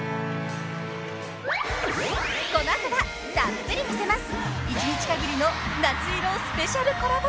［この後はたっぷり見せます］